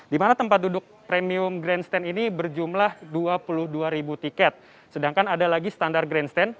di mana tempat duduk premium grandstand ini berjumlah dua puluh dua ribu tiket sedangkan ada lagi standar grandstand